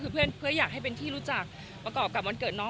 เพื่ออยากให้เป็นที่รู้จักประกอบกับวันเกิดน้อง